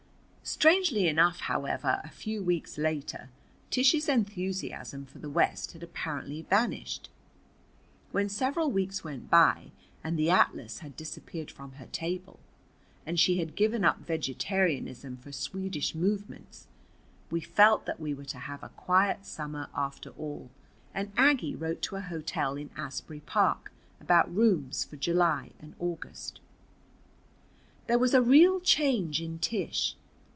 Strangely enough, however, a few weeks later Tish's enthusiasm for the West had apparently vanished. When several weeks went by and the atlas had disappeared from her table, and she had given up vegetarianism for Swedish movements, we felt that we were to have a quiet summer after all, and Aggie wrote to a hotel in Asbury Park about rooms for July and August. There was a real change in Tish.